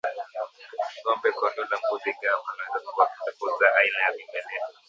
Ng'ombe kondoo na mbuzi ingawa panaweza kuwapo tofauti za aina ya vimelea